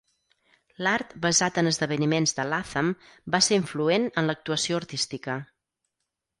L'art basat en esdeveniments de Latham va ser influent en l'actuació artística.